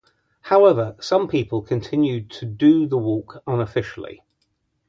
However some people continue to do the walk unofficially.